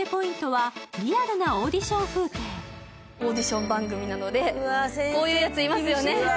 オーディション番組なのでこういうやつ、いますよね。